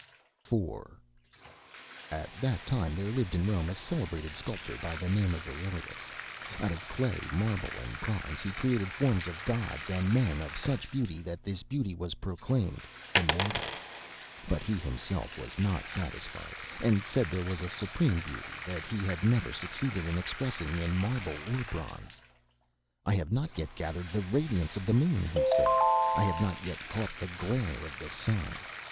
IV At that time there lived in Rome a celebrated sculptor by the name of Aurelius. Out of clay, marble and bronze he created forms of gods and men of such beauty that this beauty was proclaimed immortal. But he himself was not satisfied, and said there was a supreme beauty that he had never succeeded in expressing in marble or bronze. "I have not yet gathered the radiance of the moon," he said; "I have not yet caught the glare of the sun.